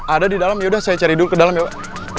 ada di dalam yaudah saya cari dulu ke dalam ya pak